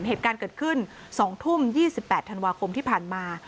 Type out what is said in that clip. เหตุการณ์เกิดขึ้น๒ทุ่ม๒๘ธันวาคมที่ผ่านมา